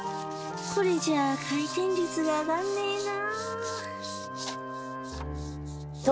これじゃあ回転率が上がんねえな。